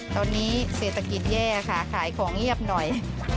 ตอนนี้เศรษฐกิจแย่ค่ะขายของเงียบหน่อย